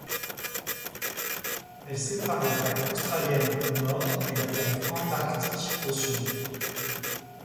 Elle sépare la plaque australienne, au nord, et la plaque antarctique, au sud.